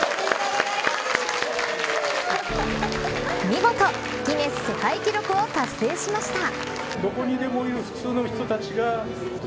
見事、ギネス世界記録を達成しました。